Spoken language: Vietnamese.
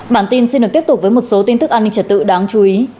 bản tin xin được tiếp tục với một số tin tức an ninh trật tự đáng chú ý